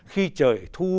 khi trời thu